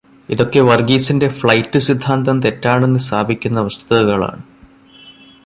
ഇതൊക്കെ വർഗീസിന്റെ ഫ്ലൈറ്റ് സിദ്ധാന്തം തെറ്റാണെന്നു സ്ഥാപിക്കുന്ന വസ്തുതകളാണ്.